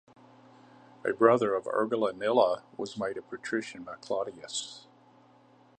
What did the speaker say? A brother of Urgulanilla was made a patrician by Claudius.